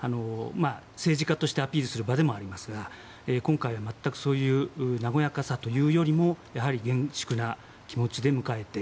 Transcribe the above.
政治家としてアピールする場でもありますが今回は全くそういう和やかさというよりもやはり、厳粛な気持ちで迎えて。